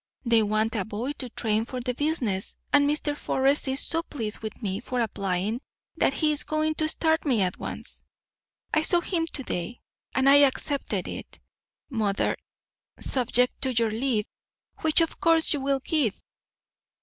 They want a boy to train for the business, and Mr. Forrest is so pleased with me for applying that he is going to start me at once. I saw him to day, and I accepted it, mother, subject to your leave, which, of course, you will give.